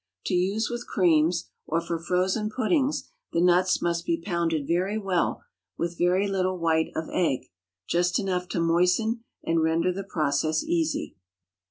To use with creams or for frozen puddings the nuts must be pounded very well, with very little white of egg just enough to moisten and render the process easy.